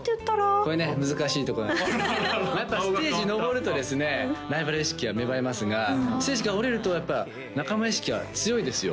これね難しいところなんだよやっぱステージ上るとですねライバル意識は芽生えますがステージからおりるとやっぱ仲間意識は強いですよ